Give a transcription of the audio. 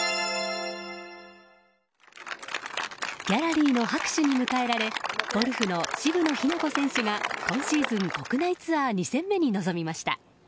ギャラリーの拍手に迎えられゴルフの渋野日向子選手が今シーズン国内ツアー２戦目に臨みました。